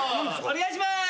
お願いします！